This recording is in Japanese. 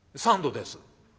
「三度です」。